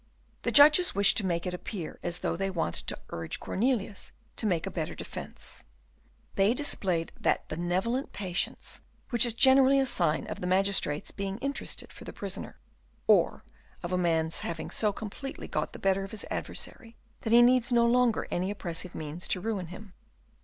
The judges wished to make it appear as though they wanted to urge Cornelius to make a better defence; they displayed that benevolent patience which is generally a sign of the magistrate's being interested for the prisoner, or of a man's having so completely got the better of his adversary that he needs no longer any oppressive means to ruin him.